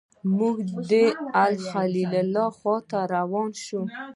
موږ د الخلیل خواته روان شوو.